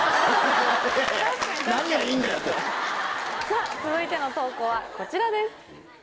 さぁ続いての投稿はこちらです。